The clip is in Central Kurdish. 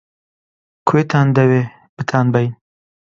-کوێتان دەوێ بتانبەین؟